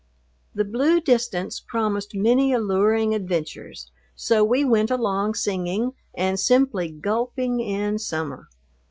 The blue distance promised many alluring adventures, so we went along singing and simply gulping in summer.